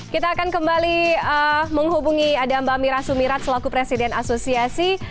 kita akan kembali menghubungi ada mbak mira sumirat selaku presiden asosiasi